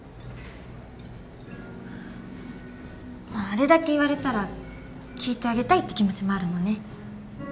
あれだけ言われたら聞いてあげたいって気持ちもあるのね。